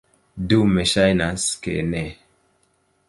Dume ŝajnas, ke ne.